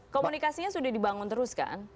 komunikasinya sudah dibangun terus kan